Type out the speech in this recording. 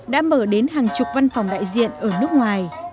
đã mở đến hàng chục văn phòng đại diện ở nước ngoài